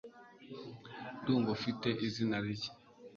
Ndumva ufite izina rishya